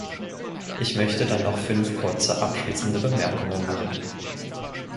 Ich möchte dann noch fünf kurze abschließende Bemerkungen machen.